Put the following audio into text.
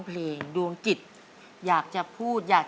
เป็นเรื่องราวของแม่นาคกับพี่ม่าครับ